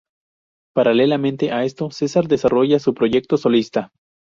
Paralelamente a esto, Cesar desarrolla su proyecto solista.